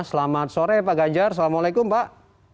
selamat sore pak ganjar assalamualaikum pak